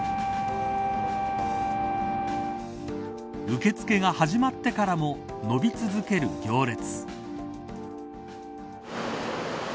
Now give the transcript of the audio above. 受け付けが始まってからも延び続ける行列。